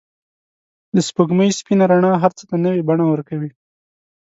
د سپوږمۍ سپین رڼا هر څه ته نوی بڼه ورکوي.